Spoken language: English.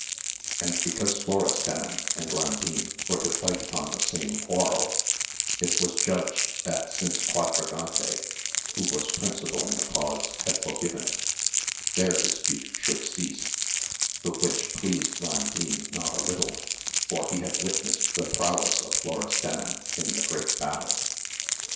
And because Florestan and Landin were to fight upon the same quar rel, it was judged, that since Quadragante, who was principal in the cause had forgiven it, their dispute should cease ; the which pleased Landin not a little, for he had witnessed the prowess of Florestan in the great battle.